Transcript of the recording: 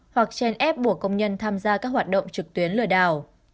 hoặc chèn ép buộc công nhân tham gia các hoạt động trực tuyến lừa đảo